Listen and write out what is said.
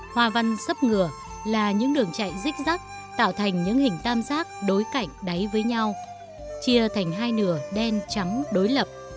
hoa văn xấp ngựa là những đường chạy rích rắc tạo thành những hình tam giác đối cảnh đáy với nhau chia thành hai nửa đen trắng đối lập